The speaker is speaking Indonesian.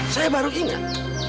saya baru ingat